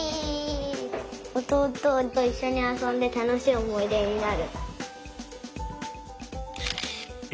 おとうとといっしょにあそんでたのしいおもいでになる。